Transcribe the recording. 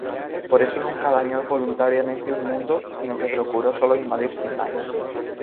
Por eso nunca dañó voluntariamente un mundo sino que procuró sólo invadir sin daño.